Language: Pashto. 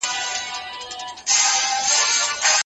دیني مراسم باید په امن ترسره سي.